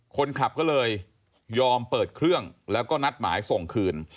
คนขับก็เลยยอมเปิดเครื่องแล้วก็นัดหมายส่งคืน